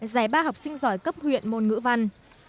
giải ba học sinh giỏi cấp huyện môn ngữ văn